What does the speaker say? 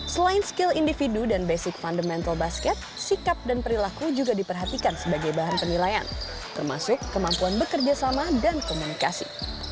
selain skill individu dan basic fundamental basket sikap dan perilaku juga diperhatikan sebagai bahan penilaian termasuk kemampuan bekerja sama dan komunikasi